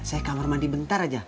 saya kamar mandi bentar aja